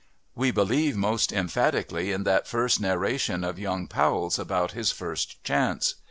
We believe most emphatically in that first narration of young Powell's about his first chance.